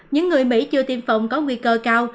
những người mỹ chưa tiêm phòng có nguy cơ cao